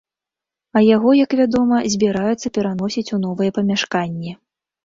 А яго, як вядома, збіраюцца пераносіць у новыя памяшканні.